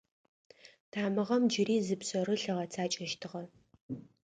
Тамыгъэм джыри зы пшъэрылъ ыгъэцакӏэщтыгъэ.